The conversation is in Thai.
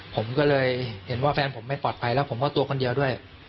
ผมก็เลยเห็นว่าแฟนผมไม่ปลอดภัยแล้วผมก็ตัวคนเดียวด้วย